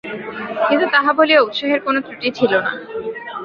কিন্তু তাহা বলিয়া উৎসাহের কোনো ত্রুটি ছিল না।